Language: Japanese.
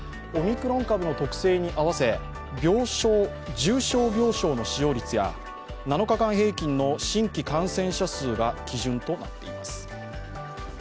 オミクロン株の特性に合わせ、重症病床の使用率や７日間平均の新規感染者数が基準となっています。